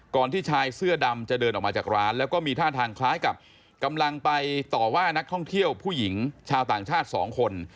ที่ชายเสื้อดำจะเดินออกมาจากร้านแล้วก็มีท่าทางคล้ายกับกำลังไปต่อว่านักท่องเที่ยวผู้หญิงชาวต่างชาติสองคน